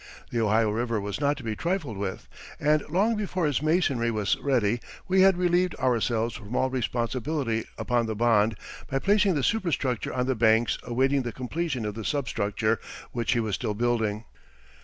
The Ohio River was not to be trifled with, and long before his masonry was ready we had relieved ourselves from all responsibility upon the bond by placing the superstructure on the banks awaiting the completion of the substructure which he was still building.